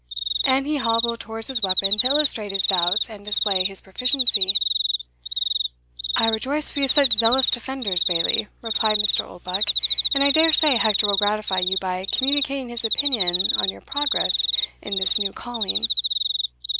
And he hobbled towards his weapon to illustrate his doubts and display his proficiency. "I rejoice we have such zealous defenders, Bailie," replied Mr. Oldbuck; "and I dare say Hector will gratify you by communicating his opinion on your progress in this new calling.